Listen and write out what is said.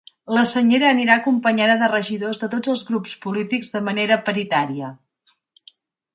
La senyera anirà acompanyada de regidors de tots els grups polítics de manera paritària.